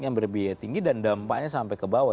yang berbiaya tinggi dan dampaknya sampai ke bawah